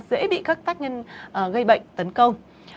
dễ bị các tác nhân gây bệnh tấn công